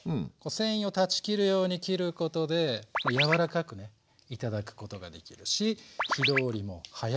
繊維を断ち切るように切ることでやわらかくね頂くことができるし火通りも早い。